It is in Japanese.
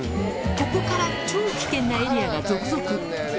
ここから超危険なエリアが続々。